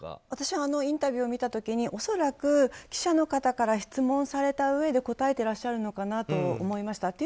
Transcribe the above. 私はインタビューを見た時に恐らく記者の方から質問されたうえで答えてらっしゃるのかなと思いました。